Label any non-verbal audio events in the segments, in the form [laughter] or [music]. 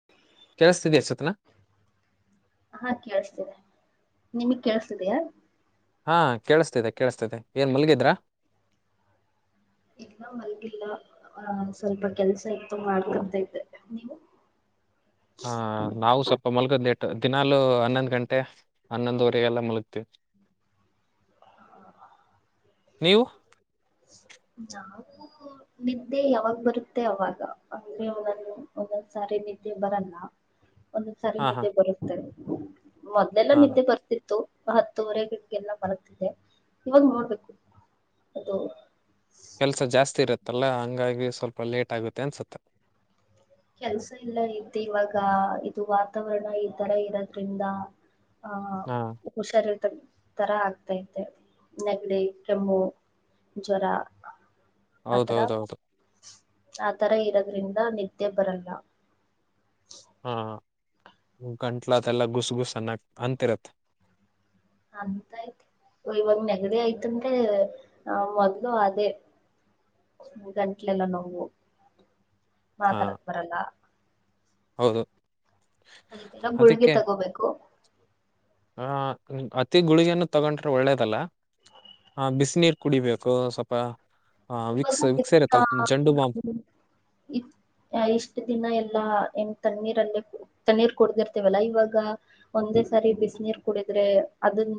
[inaudible] ಕೆೇಳಿಸತಿದೆ ಸ್ವಪ್ನಾ ಹಾ ಕೇಳಸ್ತಿದೆ ನಿಮಗ್ ಕೇಳಸ್ತಿದಿಯಾ ಹಾ, ಕೇಳಸ್ತಿದೆ -ಕೇಳಿಸಸ್ತಿದೆ ಏನ್ ಮಲಗಿದ್ರಾ ಇಲ್ಲ ಮಲರ್ಗಿಲ್ಲ ಆ ಸ್ವಲ್ಪ ಕೆಲ್ಸ ಇತ್ತು ಮಾಡ್ತಂತ ಇದ್ದೆ. ನೀವು ಹ, ನಾವು ಸ್ವಲ್ಪ ಮಲ್ಗದ್ ಲೇಟು ದಿನಾಲು ಹನ್ನೊಂದುಗಂಟೆ ಹನ್ನೊಂದುವರೆಗೆಲ್ಲ ಮುಲಗತೀವಿ. ನೀವು ಜ [inaudible] [inaudible] ನಿದ್ದೆ ಯಾವಾಗ ಬರುತ್ತೆ ಅವಾಗ ಅಂದ್ರೆ ಒಂದೊಂದ್ಸಾರಿ ನಿದ್ದೆ ಬರಲ್ಲ. ಒಂದೊಂದ್ಸಾರಿ ಹಾ ಹಾ ನಿದ್ದೆ ಬರುತ್ತೆ ಮೊದ್ಲೇಲ್ಲ ಹಾ ನಿದ್ದೆ ಬರ್ತಿತ್ತು. ಹತ್ತೂವರೆಗೆಲ್ಲ ಮಲ್ಗತ್ತಿದೆ ಇವಾಗ ನೋಡ್ಬೇಕು ಅದು ಕೆಲ್ಸ ಜಾಸ್ತಿ ಇರತ್ತಲ್ಲ ಹಂಗಾಗಿ ಸ್ವಲ್ಪ ಲೇಟ್ ಆಗುತ್ತೆ ಅನ್ಸುತ್ತೆ. ಕೆಲ್ಸ ಇಲ್ಲ ಇ್ದದೆ ಇವಾಗ ಇದು ವಾತಾವರಣ ಈ ತರ ಇರೋದ್ರಿಂದ. ಹಾ, ಹುಷಾರಿಲ್ಲ ತರ ಆಗ್ತೈತೆ ನೆಗಡಿ, ಕೆಮ್ಮು ಜ್ವರ ಆತರ ಹೌದೌದೌದು ಆತರ ಇರೋದ್ರಿಂದ ನಿದ್ದೆ ಬರಲ್ಲ. ಹಾ ಗಂಟ್ಲ ಅದೆಲ್ಲ ಗುಸು ಗುಸನ್ನ ಅಂತಿರತ್ತ. ಅಂತಯ್ತ್ ಇವಂದ್ ನೆಗಡಿ ಆಯ್ತಂದ್ರೆ ಆ ಮೊದ್ಲು ಅದೇ. ಗಂಟ್ಲೆಲ್ಲ ನೋವು ಹಾ ಮಾತಾಡಕ್ ಬರಲ್ಲ. ಹೌದು ಅದಕ್ಕೆಲ್ಲ ಗುಳಿಗೆ ತಗೋಬೇಕು. ಹ ಅತಿ ಗುಳಗಿಯನ್ನು ತಗೊಂಡ್ರೆ ಒಳ್ಳೇದಲ್ಲ. ಹಾ ಬಿಸ ನೀರ್ ಕುಡಿಬೇಕು ಸ್ವಲ್ಪ ಆ ಇವಾಗ ವಿಕ್ಸ್ ವಿಕ್ಸ ಎತ್ತ ಇರುತ್ತಲ್ಲ ಜಂಡು ಬಾಂಬ್. ಇತ್ ಇಷ್ಟ ದಿನ ಎಲ್ಲಾ ಏನ್ ತಣ್ಣೀರಲ್ಲೇ ತಣ್ಣೀರ್ ಕುಡ್ದಿರ್ತೇವಲ್ಲಾ ಇವಾಗ. ಒಂದೇ ಸಾರಿ ಬಿಸ ನೀರ್ ಕುಡಿದ್ರೆ ಅದನ್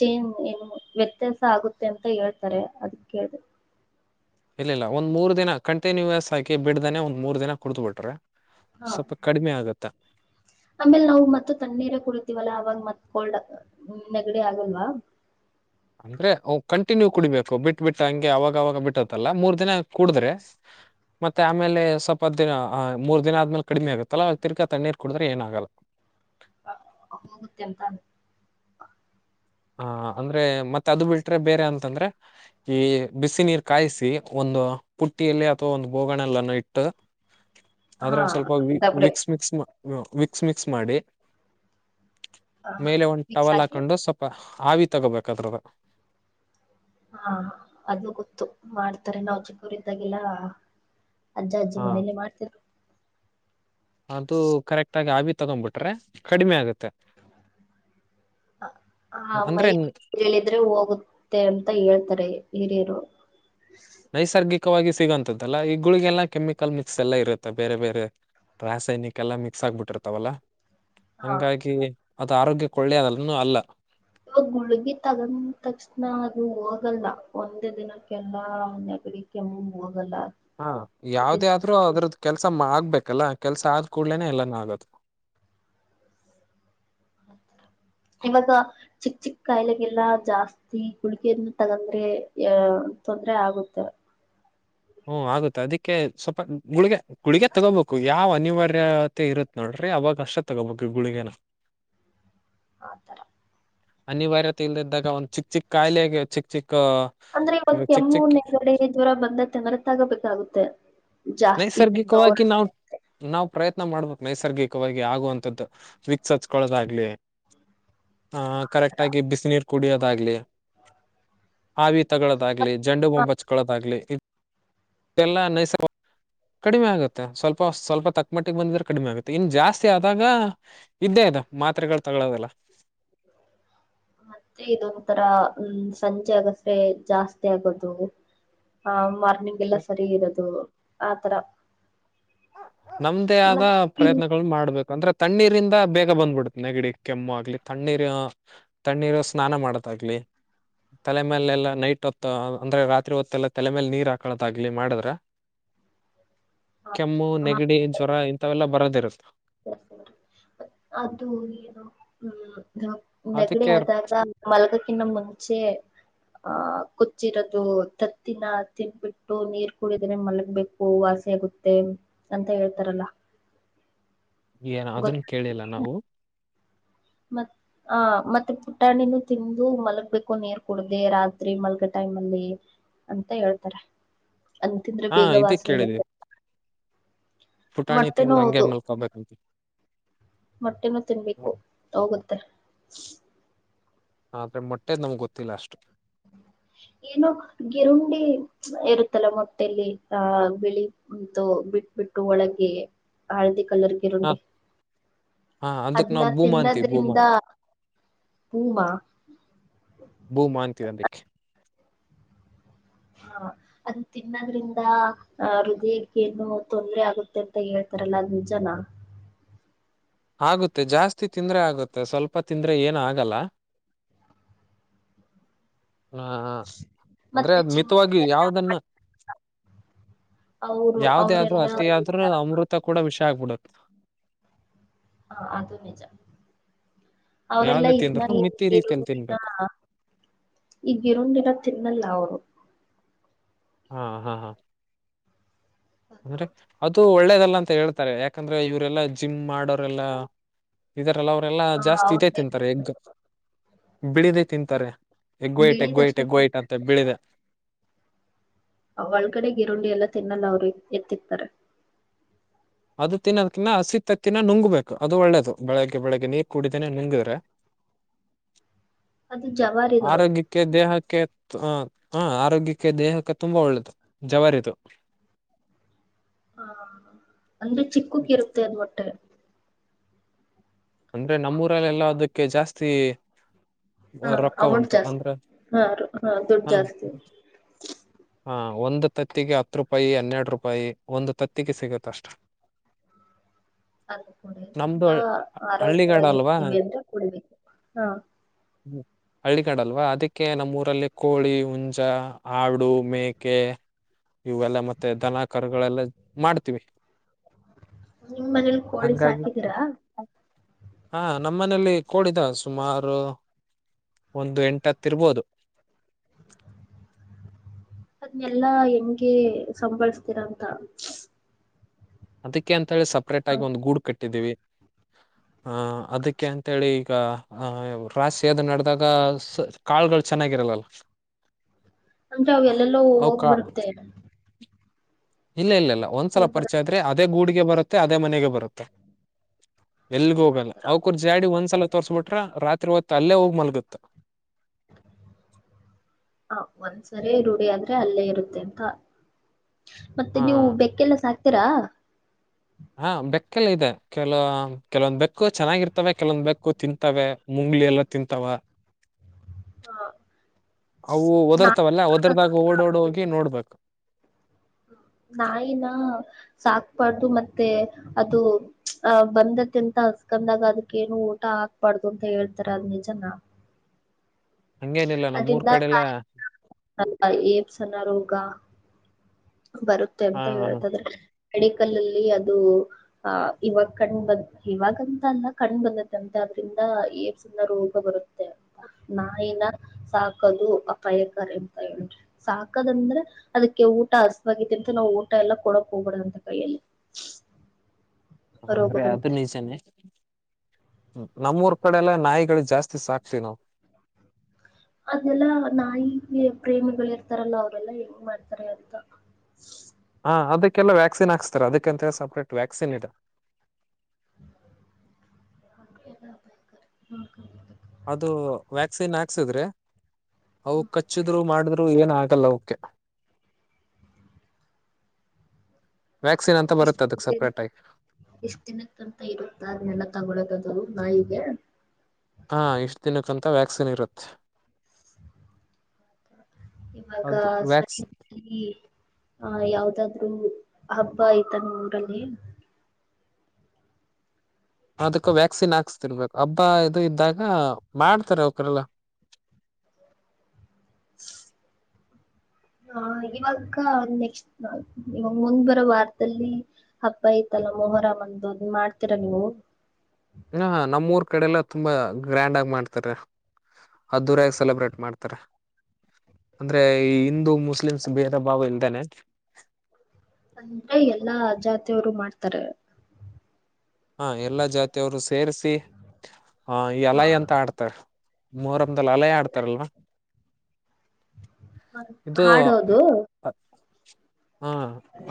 ಚೇನ್ ಏನು ವ್ಯತ್ಯಾಸ ಆಗುತ್ತೆ ಅಂತ ಹೇಳ್ತಾರೆ ಅದುಕೆಲ್ದೆ. ಇಲ್ಲ ಇಲ್ಲ ಒಂದ್ ಮೂರ್ ದಿನ ಕಂಟಿನ್ಯೂಸ್ ಹಾಕಿ ಬಿಡ್ದಾನೆ ಒಂದ್ ಮೂರ್ ದಿನ ಕುಡ್ದೂ ಬಿಟ್ರೆ. ಹಾ ಸ್ವಲ್ಪ ಕಡಿಮೆ ಆಗತ್ತೇ. ಆಮೇಲ್ ನಾವು ಮತ್ತ ತಣ್ಣೀರ ಕುಡತಿವಲ್ಲ ಅವಾಗ ಮತ್ ಕೋಲ್ಡ್ ನೆಗಡಿ ಆಗಲ್ವಾ. ಅಂದ್ರೆ ಕಂಟಿನ್ಯೂ ಕುಡಿಬೇಕು ಬಿಟ್ಟ ಬಿಟ್ಟ ಹಂಗೆ ಅವಾಗ ಅವವಾಗ ಬಿಟ್ಟತ್ತಲ್ಲ ಮೂರ್ ದಿನ ಕುಡಿದ್ರೆ. ಮತ್ತೆ ಆಮೇಲೆ ಸ್ವಲ್ಪ ದಿನ ಮೂ ದಿನ ಆದ್ಮೇಲೆ ಕಡಿಮ ಆಗುತ್ತಲ್ಲ ತಿರ್ಗಾ ತಣ್ಣೀರ್ ಕುಡ್ರೆ ಏನ ಆಗಲ್ಲ. ಹೋಗುತ್ತೆ ಅಂತ. ಹ ಅಂದ್ರೆ ಮತ್ತೆ ಅದು ಬಿಟ್ರೆ ಬೇರೆ ಅಂತಂದ್ರೆ ಈ ಬಿಸಿ ನೀರ್ ಕಾಯ್ಸಿ. ಒಂದು ಪುಟ್ಟಿಯಲ್ಲಿ ಅಥವಾ ಒಂದು ಬೋಗಣೆಲ್ಲನ್ನು ಇಟ್ಟು. ಹಾ ಆದ್ರ ಸ್ವಲ್ಪ ಡಬ್ರೆ ವಿಕ್ಸ್ ಮಿಕ್ಸ್ ಮಾ ವಿಕ್ಸ್ ಮಿಕ್ಸ್ ಮಾಡಿ ಹಾ ಮೇಲೆ ಒಂದು ಮಿಕ್ಸ್ ಟವಲ್ ಹಾಕಿ ಹಾಕೊಂಡು ಸಲ್ ಹಾವಿ ತಗೋಬೇಕಾದ್ರೊಳಗ. ಹಾ ಅದು ಗೊತ್ತು ಮಾಡ್ತಾರೆ ನಾವ್ ಚಿಕ್ಕವರ ಇದ್ದಾಗೆಲ್ಲಾ. ಅಜ್ಜ ಅಜ್ಜಿ ಹಾ ಮನೇಲಿ ಮಾಡ್ತರ. ಅದು ಕರೆಕ್ಟ್ ಆಗಿ ಆಬಿ ತಗೊಂಡ್ಬಿಟ್ರೆ ಕಡಿಮೆ ಆಗುತ್ತೆ. ಆ ಮೈ ಅಂದ್ರೆ ನ- ಹೇಳಿದ್ರೆ ಹೋಗುತ್ತೆ ಅಂತ ಹೇಳ್ತಾರೆ ಹಿರಿಯರು. ನೈಸರ್ಗಿಕವಾಗಿ ಸಿಗುವಂತದ್ದಲ್ಲ ಈ ಗುಳಿಗೆ ಎಲ್ಲ ಕೆಮಿಕಲ್ ಮಿಕ್ಸ್ ಎಲ್ಲ ಇರುತ್ತೆ ಬೇರೆ ಬೇರೆ. ರಾಸಾಯನಿಕ ಎಲ್ಲ ಮಿಕ್ಸ್ ಆಗ್ಬಿಟ್ಟಿರ್ತಾವಲ್ಲ. ಹಾ ಹಂಗಾಗಿ ಅದು ಆರೋಗ್ಯಒಳ್ಳೆ ಅನ್ನು ಅಲ್ಲ. ಇಗ ಗುಳ್ಗಿ ತಗಂಡಿ ತಕ್ಷಣ ಅದು ಹೋಗಲ್ಲ ಒಂದೇ ದಿನಕ್ಕೆಲ್ಲಾ ನೆಗಡಿ. ಕೆಮ್ಮ ಹೋಗಲ್ಲ. ಹಾ ಯಾವ್ದೇ ಆದ್ರರು ಅದ್ರದ್ದ ಕೆಲ್ಸ ಆಗ್ಬೇಕಲ್ಲ ಕೆಲ್ಸ ಆದ್ ಕೂಡ್ಲೇನೆ ಎಲ್ಲಾನ ಆಗದೂ. [inaudible] ಇವಾಗ ಚಿಕ್ಕ ಚಿಕ್ಕ ಕಾಯಿಲೆಗೆಲ್ಲಾ ಜಾಸ್ತಿ. ಈ ಗುಳಿಕಿಯನ್ನು ತಗಂದ್ರೆ ಅ ತೊಂದ್ರ ಆಗುತ್ತೆ. ಹ್ಮ ಆಗುತ್ತೆ ಅದಿಕ್ಕೆ ಸ್ವಲ್ಪ ಗುಳಿಗೆ. ಗುಳಿಗೆ ತಗೋಬೇಕು ಯಾವ್ ಅನಿವಾರ್ಯತೆ ಇರುತ್ ನೋಡ್ರಿ ಅವಾಗ ಅಷ್ಟೇ ತಗೋಬೇಕು ಗುಳಗೆನ. [inaudible] ಆತರ ಅನಿವಾರ್ಯತೆ ಇಲ್ದಿದ್ದಾಗ ಒಂದು ಚಿಕ್ ಚಿಕ್ಕ ಕಾಯಿಲೆಗೆ ಚಿಕ್ ಚಿಕ್ಕು. ಅಂದ್ರೆ ಇವತ್ತು ಕೆಮ್ಮೂ ನಗಡೆ ಜ್ವರ ಬಂದ ತಂದ್ರೆ ತಗೋಬೇಕಾಗುತ್ತೆ. ಜಾಸ್ತಿ ನೈಸರ್ಗಿಕವಾಗಿ ಜೋರಾಗಿ. ನಾವು. ನಾವು ಪ್ರಯತ್ನ ಮಾಡ್ಬೇಕು ನೈಸರ್ಗಿಕವಾಗಿ ಆಗುವಂತದ್ದು ವಿಕ್ಸ ಹಚ್ಕೊಳೋದಾಗ್ಲಿ. ಹ ಆ ತರ. ಕರೆಕ್ಟ್ ಆಗಿ ಬಿಸ ನೀರು ಕುಡಿಯೋದಾಗ್ಲಿ. ಆವಿಿ ತಗಳದಾಗ್ಲಿ ಜಂಡು ಬೊಂಬಚ್ಗಳದಾಗ್ಲಿ ಎಲ್ಲ ನೈಸರ್ಗ ಕಡಿಮೆ ಆಗುತ್ತೆ ಸ್ವಲ್ಪ ಸ್ವಲ್ಪ ತಕ್ಮಟ್ಟಿಗೆ ಬಂದಿದ್ರೆ ಕಡಿಮೆ ಆಗುತ್ತೆ ಇನ್ನು ಜಾಸ್ತಿ ಆದಾಗ ಇದ್ದೇ ಅದು ಮಾತ್ರೆಗಳು ತಗಳೋದಲ್ಲ ಮತ್ತೆ ಇದೊಂಂತರ ಹ್ಮ ಸಂಜೆ ಆಗಸ್ರೆ ಜಾಸ್ತಿ ಆಗೋದು ಹಾ ಮಾರ್ನಿಂಗ ಎಲ್ಲ ಸರಿ ಇರೋದು ಆತರ ನಮ್ದೇ ಆದ ಮತ್ತ ಪ್ರಯತ್ನ ಮಾಡ್ಬೇಕು ಅಂದ್ರೆ ತಣ್ಣೀರಿಂದ ಬೇಗ ಬಂದ್ಬಿಡ್ತ ನೆಗಿಡಿ ಕೆಮ್ಮು ಆಗ್ಲಿ ತಣ್ಣೀರ್ ತಣ್ಣೀರು ಸ್ನಾನ ಮಾಡತ್ಗಲಿ ತಲೆ ಮೇಲೆಲ್ಲ ನೈಟ್ ಹೊತ್ತ ಅಂದ್ರೆ ರಾತ್ರಿ ಹೊತ್ತ ಎಲ್ಲ ತಲೆ ಮೇಲೆ ನೀರ್ ಹಾಕಳದಾಗ್ಲಿ ಮಾಡಿದ್ರ ಕೆಮ್ಮು ನೆಗಡಿ ಜ್ವರ ಇಂಥವೆಲ್ಲಾ ಬರೋದಿರುತ್ತೆ ಅದು ಏನು ಹ್ಮ್ ನೆಗಡ ಅದಕ್ಕೆ ಆದಾಗ ಮಲಗ ಕಿನ್ನ ಮುಂಚೆ ಆಹ ಕುಚ್ಚಿರೋದು ತತ್ತಿನ ತಿನ್ಬಿಟ್ಟು ನೀರ್ ಕುಡಿದ್ರೆ ಮಲಗ್ಬೇಕು ವಾಸ ಆಗುತ್ತೆ ಮತ್ತೇ ಅಂತ ಹೇಳ್ತಾರಲ್ಲ ಏನ್ ಅದನ್ನು ಗೊತ್ತ ಕೇಳಿಲ್ಲ ನಾವು ಮತ್ತ ಹ ಮತ್ತೆ ಪುಟ್ಟಾಣಿನೂ ತಿಂದು ಮಲ್ಗ್ಬೇಕು ನೀರ್ ಕುಡ್ದ ರಾತ್ರಿ ಮಲ್ಗ ಟೈಮ್ ಅಲ್ಲಿ ಅಂತ ಹೇಳ್ತಾರೆ ಅಂತಿಂದ್ರೆ ಹಾ ಬೇಗ ಇದ ವಾಸ ಕೇಳಿದ್ವಿ ಹೋಗ ಪುಟಾಣಿ ಮೊಟ್ಟೆ ತಿಂದ ನ ಹಂಗೆ ಹೌದು ಮಲ್ಕೋಬೇಕಂತ ಮೊಟ್ಟೆ ಮ ತಿನ್ಬೇಕು ಮೊಟ್- ಹೋಗುತ್ತೆ ಆದ್ರೆ ಮಟ್ಟೇದ್ ನಮ್ಗ್ ಗೊತ್ತಿಲ್ಲ ಅಷ್ಟು ಏನುೋ ಗಿರುಂಡಿ ಇರುತ್ತಲ್ಲ ಮೊಟ್ಟೆಯಲ್ಲಿ ಆ ಬಿಳಿ ಅಂತೂ ಬಿಟ್ ಬಿಟ್ಟು ಒಳಗೆ ಹಳದಿ ಕಲರ್ ಹ ಗಿರುಂಡಿ ಹಾ ಅದಕ್ ಅದ್ನ್ನ ನಾವ್ ಭೂಮ ಅಂತೀವಿ ಭೂಮ ತಿನ್ನದ್ರಿಂದ ಪೂಮ ಭೂ ಮಾ ಅ್ಂತ ಅನ್ಕ್ಕೆ ಹಾ ಅದು ತಿನ್ನದ್ರಿಂದ ಆ ಹೃದಯಕ್ಕ ಏನು ತೊಂದ್ರರೆ ಆಗುತ್ತೆ ಅಂತ ಹೇಳ್ತಾರಲ್ಲ ಅ್ವಿಜನ ಆಗುತ್ತೆ ಜಾಸ್ತಿ ತಿಂದ್ರೆ ಆಗುತ್ತೆ ಸ್ವಲ್ಪ ತಿಂದ್ರೆ ಏನು ಆಗಲ್ಲ [inaudible] ಹಾ ಅಂದ್ರೆ ಮತ್ತೆ ಅದ್ ಜಿಮ್ ಮಿತವಾಗಿ ಯಾವ್ದನ್ನ ಅವ್ರು ಯಾವದೇ ಆದ್ರು ಅವ್ರೆಲ್ಲಾ ಅತಾದ್ರರು ಅಮೃತ ಕೂಡ ವಿಷ ಆಗ್ಬಿಡದು ಹಾ ಅದು ನಿಜ ಯಾವ್ದೇ ಅವರೆಲ್ಲಾ ತಿಂದ್ರು ಮಿತಿ ರೀತಿಯಲ್ಲಿ ಇದನ್ನ ತಿನ್ಬೇಕು ಈ ಗಿರುಂದಿರೋ ತಿನ್ನಲ್ಲ ಅವ್ರು ಹಾ ಹಾ ಹಾ ಅವ್ರು. ಅಂದ್ರೆ ಅದು ಒಳ್ಳೇದಲ್ಲ ಅಂತ ಹೇಳ್ತಾರೆ ಯಾಕಂದ್ರೆ ಇವರೆಲ್ಲಾ ಜಿಮ್ ಮಾಡೋರೆಲ್ಲಾ ಇದಾರಲ್ಲ ಅವರೆೆಲ್ಲಾ ಹಾ ಜಾಸ್ತಿ ಹೌದ ಇದದೆ ತಿಂತಾರೆ ಎಗ್ ಬಿಳಿದೇ ತಿಂತಾರೆ ಎಗ್ಗೋಯಟ್ು ಎಗ್ಗೋಯಟ್ ಬಿಳಿದಷ್ಟೇ ಎಗ್ಗೋಯಟ್ ತಿಂತಾರ ಅಂತ ಬಿಳಿದೆ ಒಳಗಡೆ ಗಿರುಳ್ಳಿ ಎಲ್ಲ ತಿನ್ನಲ್ಲ ಅವ್ರು ಎತ್ತಿರ್ತಾರೆ ಅದು ತಿನ್ನೋದಕಿನ್ನ ಹಸಿ ತತ್ತಿನ ನುಂಗ್ಬೇಕು ಅದು ಒಳ್ಳೇದು ಬೆಳಗ್ಗೆ ಬೆಳಗ್ಗೆ ನೀರ್ ಕುಡಿದೇ ನುಂಗಿದ್ರೆ [inaudible] ಅದು ಜವಾರ ಇದು ಕ ದೇಹಕ್ಕೆ ಹ ಆರೋಗ್ಯಕ್ಕೆ ದೇಹಕ್ಕೆ ತುಂಬಾ ಒಳ್ಳೇದು ಜವರತು ಹಾ ಅಂದ್ರೆ ಚಿಕ್ಕಕ್ಕ ಇರುತ್ತೆ ಅದ ಮಟ್ಟೆ ಅಂದ್ರೆ ನಮ್ಮೂರಲ್ಲೆಲ್ಲ ಅದಕ್ಕೆ ಜಾಸ್ತಿ ಹಾ ರೊಕ್ಕ ಉಂಟು ಜಾಸ್ತಿ ಅಂದ್ರೆ ಹಾ ರು- ಹಾ ದುಡ್ಡು ಹ ಜಾಸ್ತಿ ಹಾ ಒಂದು ತತ್ತಿಗೆ ಹತ್ ರೂಪಾಯಿ ಹನ್ನೆರಡು ರೂಪಾಯಿ ಒಂದು ತತ್ತಿಗೆ ಸಿಗತ್ತ ಅಷ್ಟ [inaudible] ಅದು ಕಡ್ರಿಂದ ನಮ್ದು ಹಳ್ಳಿಗಾಡ ಅಲ್ವಾ ಆರೋಗ್ಯವಾಗಿರ್ತೀವಿ ಅಂದ್ರೆ ಕುಡಿಬೇಕು ಹಾ ಹ್ಮ್ ಹಳ್ಳಿಗಡಲ್ವಾ ಅದಕ್ಕೆ ನಮ್ಮೂರಲ್ಲಿ ಕೋಳಿ ಹುಂಜ ಆಡು ಮೇಕೆ ಇವೆಲ್ಲ ಮತ್ತೆ ದನ ಕರ್ಗಳೆಲ್ಲ ಮಾಡ್ತೀವಿ ನಿಮ್ ಮನೇಲಿ ಕೋಳಿ ಹಂಗಾಗಿ ಸಾಕಿದ್ದೀರಾ ಹಾ ನಮ್ಮನೆಲಿ ಕೋಡಿದ ಸುಮಾರು ಒಂದು ಎಂಟ ಹತ್ತ ಇರ್ಬೋದು ಅದನ್ನಲ್ಲಾ ಹೆಂಗೆ ಸಂಬಳಸ್ತೀರಂತ ಅದಕ್ಕೆ ಅಂತ ಹೇಳಿ ಸಪ್ರೇಟ್ ಆಗಿ ಹೌದ್. ಒಂದ್ ಗೂಡು ಕಟ್ಟಿದೀವಿ ಆಹ ಅದಕ್ಕೆ ಅಂತೇಳಿ ಈಗ ಅ ರಾಸ ಅದು ನಡೆದಾಗ ಕಾಳಗಳು ಚೆನ್ನಾಗಿರಲ್ಲಲ್ಲ ಅಂದ್ರೆ ಅವ ಎಲ್ಲೋ ಅವಕ ಹೋಗ್ಬಿಡ್ತೇ ಇಲ್ಲ ಇಲ್ಲ ಇಲ್ಲ ಒಂದ್ಸಲ ಪರಿಚಯ ಹೋಗ್ಬರತ್ತೆ ಆದ್ರೆ ಅದೇ ಗೂಡಿಗೆ ಬರುತ್ತೆ ಅದೇ ಮನೆಗೆ ಬರುತ್ತೆ ಎಲ್ಗ ಹೋಗಲ್ಲ ಆತರ ಅವ್ಕೂರ್ ಜಾಡಿ ಒಂದ್ಸಲ ತೋರಿಸಬಿಟ್ರೆ ರಾತ್ರಿ ಹೊತ್ತ ಅಲ್ಲೇ ಹೋಗ್ ಮಲ್ಗುತ್ತ ಹ ಒಂದ್ಸರಿ ರೂಢಿ ಆದ್ರೆ ಅಲ್ಲೇ ಇರುತ್ತೆ ಅಂತ ಮತ್ತೆ ನೀವು ಹಾ ಬೆಕ್ಕೆಲ್ಲ ಸಾಕ್ತೀರಾ ಹಾ ಬೆಕ್ಕಲ್ಲ ಇದೆ ಕೆಲವ ಕೆಲವೊಂದ್ ಬೆಕ್ಕು ಚೆನ್ನಾಗಿರ್ತವೆ ಕೆಲವೊಂದ್ ಬೆಕ್ಕು ತಿಂತವೆ ಮುಂಗ್ಳಲ್ಲ ತಿಂತಾವ ಹಾ ಅವು ನಾ ಒದರ್ತಾವಲ್ಲ ಒದರ್ದಾಗ ಓಡೋಡ್ ಹೋಗಿ ನೋಡ್ಬೇಕು ನಾಯಿನ ಸಾಕ್ಬಾರ್ದು ಮತ್ತೆ ಅದು ಅ ಬಂದ ತಿಂತ ಹಸ್ಕಂದಾಗ ಅದಕ್ಕ ಏನು ಊಟ ಹಾಕ್ಬಾರ್ದು ಅಂತ ಹೇಳ್ತಾರ ಅದ್ ನಿಜನ ಹಂಗೇನಿಲ್ಲ ನಮ್ಮೂರ್ ಅದಂದ ಕಡೆಲ್ಲ ಕಾಯಿಲೆ [inaudible] ಏಮ್ಸ್ ಅನ್ನ ರೋಗ ಬರುತ್ತೆ ಹಾ ಅಂತ ಹಾ, ಹೇಳ್ತಾದ್ರೆ ಮಡಿಕಲ್ಲ್ಲಲಿ ಅದು ಆ ಇವಾಗ ಕಣ್ ಬಂದ ಇವಾಗಂತ ಅಲ್ಲ ಕಣ್ ಬಂದತ್ತ ಅಂತ ಅದ್ರಿಂದ ನ್ನ ರೋಗ ಬರುತ್ತೆ ಅಂತ ನಾಯಿನ ಸಾಕದು ಅಪಾಯಕಾರಿ ಅಂತ ಹೇಳ್ರಿ ಸಾಕದಂದ್ರೆ ಅದಕ್ಕೆ ಊಟ ಹಸವಾಗೈತಿ ಅಂತ ನಾವು ಊಟ ಎಲ್ಲಾ ಕೊಡಕ್ ಹೋಗಬಡದ ಅಂತ ಕೈಯಲ್ಲಿ ರೋಗ ಅಂದ್ರೆ ಅಧು ಬರುತ್ತೆ ನೀಜನೆೇ ನಮ್ಮೂರ್ ಕಡೆ ಎಲ್ಲಾ ನಾಯಿಗಳು ಜಾಸ್ತಿ ಸಾಕ್ಥೀವ್ ನಾವು ಅದೆಲ್ಲ ನಾಯಿ ಪ್ರೇಮಿಗಳ ಇರ್ತಾರಲ್ಲ ಅವರೆಲ್ಲಾ ಹೆಂಗ್ ಮಾಡ್ತಾರೆ ಅಂತ ಹಾ ಅದಕ್ಕೆಲ್ಲ ವ್ಯಾಕ್ಸಿನ್ ಹಾಕ್ಸ್ತಾರೆ ಅದಕ್ಕಂತ ಹೇಳ ಸಪ್ರೇಟ್ ವ್ಯಾಕ್ಸನ್ ಇದ ಹ್ಮ್ ಅದು ವ್ಯಾಕ್ಸಿನ್ ಹಾಕ್ಸಿದ್ರೆ ಅವು ಕಚ್ಚಿದ್ರು ಮಾಡಿದ್ರು ಏನ್ ಆಗಲ್ಲ ಅವ [inaudible] ವ್ಯಾಕ್ಸಿನ್ ಅಂತ ಬರುತ್ತದಕ್ ಸಪ್ರೇಟ್ ಆಗಿ ಎಷ್ಟ ದಿನಕ್ಕಂತ ಇರುತ್ತೆ ಅದನ್ನೆಲ್ಲ ತಗೊಳೋಕದು ನಾಯಿಗೆ ಹಾ ಇಷ್ಟು ದಿನಕ್ಕಂತ ವ್ಯಾಕ್ಸಿನ್ ಇರುತ್ತೆ ಆಗ ಅದು ವ್ಯಾಕ್ಸ್ ಸರಿ ಈ ಆ ಯಾವ್ದಾದ್ರು ಹಬ್ಬ ಆಯ್ತಾ ನಿಮ್ಮ ಊರಲ್ಲಿ ಅದಕ್ಕ ವ್ಯಾಕ್ಸಿನ್ ಹಾಕ್ಸ್ತಿರ್ಬೇಕು ಹಬ್ಬ ಇದು ಇದ್ದಾಗ ಮಾಡ್ತಾರೆ ಅವಕರೆಲ್ಲ [inaudible] ಹ ಇವಾಗ ನೆಕ್ಸ್ಟ್ ಇವಾಗ ಮುಂದ್ ಬರೋ ವಾರದಲ್ಲಿ ಹಬ್ಬಐತಲ್ಲ ಮೊಹರ ಅಂದು ಅದು ಮಾಡ್ತೀರಾ ನೀವು ಇ ನಮ್ಮ್ಊರ್ ಕಡೆ ಎಲ್ಲಾ ತುಂಬಾ ಗ್ರ್ಯಾಂಡ್ ಆಗಿ ಮಾಡ್ತಾರೆ ಅದ್ದೂರಯಾಗ್ ಸೆಲೆಬ್ರೇಟ್ ಮಾಡ್ತಾರ ಅಂದ್ರೆ ಈ ಹಿಂದೂ ಮುಸ್ಲಿಮ್ಸ್ ಭೇದ ಭಾವ ಇಲ್ದಾನನೆ ಅಂದ್ರೆ ಎಲ್ಲಾ ಜಾತಿಯವರು ಮಾಡ್ತಾರೆ ಹ ಎಲ್ಲಾ ಜಾತಿಯವರು ಸೇರಿಸಿ ಆ ಈ ಅಲಾಯ ಅಂತ ಆಡ್ತಾರೆ- ಮೊಹರಂದಲಿ ಅಲ ಆಡ್ತಾರಲ್ವಾ ಇದು ಹಾಡೋದು ಹಾ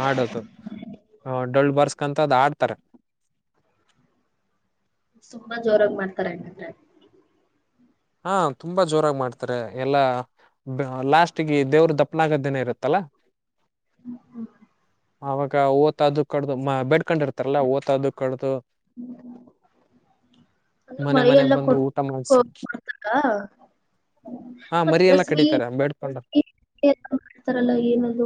ಆಡದು ಡೊಳ್ಳ ಬರ್ಸ್ಕಂತ ಅದ್ ಆಡ್ತಾರೆ ತುಂಬಾ ಜೋರಾಗಿ ಮಾಡ್ತಾರೆ ಹೆಂಗಂದ್ರೆ ಹಾ ತುಂಬಾ ಜೋರಾಗಿ ಮಾಡ್ತಾರೆ ಎಲ್ಲಾ ಲಾಸ್ಟ್ಗೆ ದೇವ್ರ ದಪ್ಪನಾಗದನೇ ಇರುತ್ತಲ್ಲಾ ಹ್ಮ ಹ್ಮ ಆವಾಗ ಓತದು ಕಡ್ದು ಮ ಬಡ್ಕೊಂಡಿರ್ತಾರಲ್ಲ ಓತದು ಕಡ್ದು ಅಂದ್ರೆ ಮನೆ ಮನೆಗ್ ಬಂದು ಊಟ ಮಾಡಸ ಹ ಹಾ ಮರಿ ಮತ್ತ ಎಲ್ಲಾ ಸ್ ಕಡಿತಾರೆ ಬೇಡ್ಕೊಂಡ [inaudible] ಮಾಡ್ತಾರಲ್ಲ ಏನಲ್ಲೂ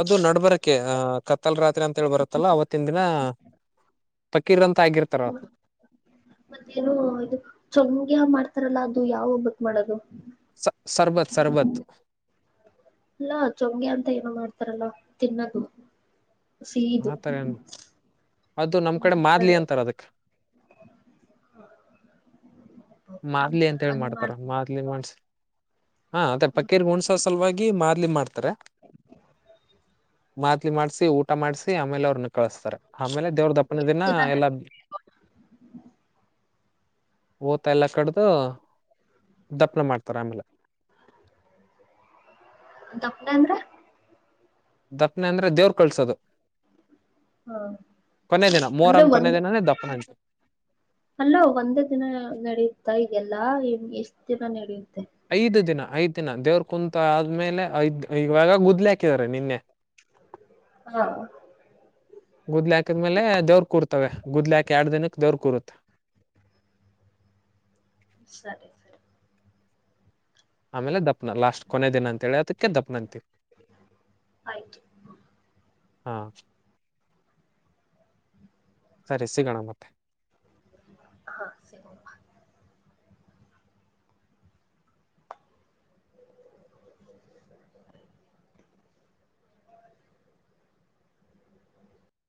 ಅದು ನಡ್ಬರಕ್ಕೆೆ ಆ ಕತ್ತಲ್ ರಾತ್ರಿ ಅಂತ ಹೇಳಿ ಬರತ್ತಲ್ಲ ಅವತ್ತಿನ ದಿನ ಪಕೀರ್ ಅಂತ ಆಗಿರ್ತಾರ ಮತ್ತೇನು ಇದು ಚಂಗ್ಯ ಮಾಡ್ತಾರಲ್ಲ ಅದು ಯಾವ ಒಬ್ಬಕ್ ಮಾಡೋದು ಸ ಸರ್ಬತ್ ಸರ್ಬತ್ ಅಲ್ಲಾ ಚೊಗೆ ಅಂತ ಏನೋ ಮಾಡ್ತಾರಲ್ಲ ತಿನ್ನದು ಸೀದು ಆತರ ಏನ್ ಅದು ನಮ್ ಕಡೆ ನಮದ ಮಾದ್ಲಿ ಅಂತಾರ ಅದಕ್ [unintelligible] ಮಾದ್ಲಿ ಅಂತ ಹೇಳಿ ಮಾಡ್ತಾರ ಮಾದ್ಲಿ ಮನ್ಸ ಹಾ ಅದೇ ಪೇರಿಗೆ ಹ ಒಣ್ಸ ಸಲುವಾಗಿ ಮಾರ್ಲಿ ಮಾಡ್ತಾರೆ [unintelligible] ಮಾತ್ಲಿ ಮಾಡ್ಸಿ ಊಟ ಮಾಡ್ಸಿ ಆಮೇಲೆ ಅವ್ರನ್ನ ಕಳಸ್ತಾರೆ ಆಮೇಲೆ ದೇವ್ರ ದಪ್ಪನ ದಿನ ಎಲ್ಲಾ ಎಲ್ಲ ಕಡ್ದು ದಪ್ಪನ ಮಾಡ್ತಾರೆ ಆಮೇಲೆ ತಪ್ಪನ ಅಂದ್ರೆ ದಪ್ಪನೆ ಅಂದ್ರೆ ದೇವ್ರರು ಕಳ್ಸೋದು ಹ ಕೊನೇ ದಿನ ಅಂದ್ರೆ ಮೋರಂ ಕೊನೆೇ ಒಂದ್ ದಿನ ದಪ್ಪನ ಅಂಂತೆ ಅಲ್ಲ ಒಂದೇ ದಿನ ನಡೆಯುತ್ತಾ ಇಗೆಲ್ಲಾ ಎಷ್ಟ್ ದಿನ ನಡೆಯುತ್ತೆ ಐದು ದಿನ ಐದ್ ದಿನ ದೇವ್ರ ಕುಂತ ಆದ್ಮೇಲೆ ಐದ್ ಇವಾಗ ಗುದ್ಲೆ ಹಾಕಿದಿದ್ದಾರೆ ನಿನ್ನೆ [unintelligible] ಹಾ ಗುದ್ಲಿಾಕಿದ್ಮೇಲೆ ದವ್ರು ಕೂರ್ತವೆ ಗುದ್ ಹಾಕಕ್ ಎರಡ್ ದಿನಕ್ಕೆ ದವ್ ಕೂರುತ್ ಸರಿ ಸರಿ ಆಮೇಲೆ ದಪ್ಪನ ಲಾಸ್ಟ್ ಕೊನೆ ದಿನ ಅಂತೇಳಿ ಅದಕ್ಕೆದ ದಪ್ನ ಅಂತ ಆಯ್ತು ಹಾ ಸರಿ ಸಿಗೋಣ ಮತ್ತೆ ಹಾ ಸಿಗ